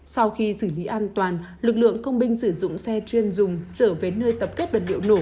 sau khi xử lý an toàn lực lượng công binh sử dụng xe chuyên dùng trở về nơi tập kết vật liệu nổ